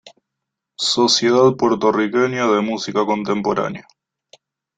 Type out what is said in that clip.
Sociedad Puertorriqueña de Música Contemporánea.